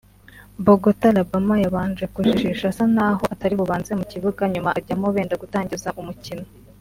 Bokota Labama yabanje kujijisha asa naho atari bubanze mu kibuga nyuma ajyamo benda gutangiza umukino